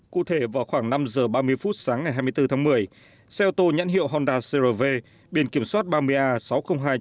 cụ thể vào khoảng năm giờ ba mươi phút sáng ngày hai mươi bốn tháng một mươi xe ô tô nhãn hiệu honda cr v biển kiểm soát ba mươi a sáu trăm linh hai hai mươi năm